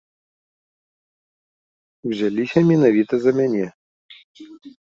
Узяліся менавіта за мяне.